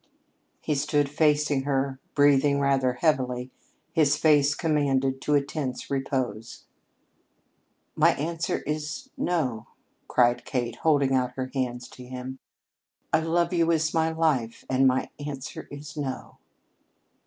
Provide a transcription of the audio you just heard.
He stood facing her, breathing rather heavily, his face commanded to a tense repose. "My answer is 'no,'" cried Kate, holding out her hands to him. "I love you as my life, and my answer is 'no.'"